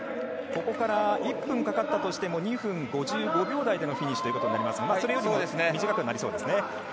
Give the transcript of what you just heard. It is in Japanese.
ここから１分かかったとしても２分５１秒台でのフィニッシュということになりますがそれよりも短くはなりそうですね。